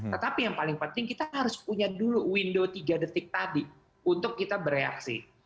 tetapi yang paling penting kita harus punya dulu window tiga detik tadi untuk kita bereaksi